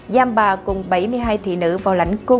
giam bà cùng bảy mươi hai thị nữ vào lãnh cung